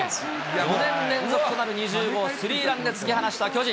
４年連続となる２０号スリーランで突き放した巨人。